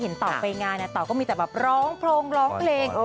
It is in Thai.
เห็นเต๋าไปงานเต๋าก็มีแต่แบบร้องโพรงร้องเหล็ก